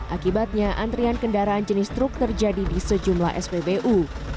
akibatnya antrian kendaraan jenis truk terjadi di sejumlah spbu